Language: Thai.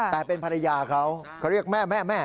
แต่เป็นภรรยาเขาเขาเรียกแม่แม่